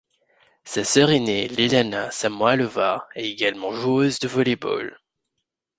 Sa sœur ainée Ielena Samoïlova est également joueuse de volley-ball.